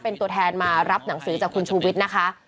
เป็นตัวแทนมารับหนังสือจากคุณชูวิทย์นะคะ